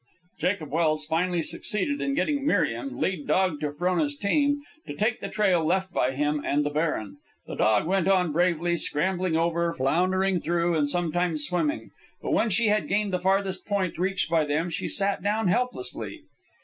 Jacob Welse finally succeeded in getting Miriam, lead dog to Frona's team, to take the trail left by him and the baron. The dog went on bravely, scrambling over, floundering through, and sometimes swimming; but when she had gained the farthest point reached by them, she sat down helplessly.